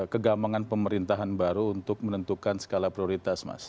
kegambangan pemerintahan baru untuk menentukan skala prioritas mas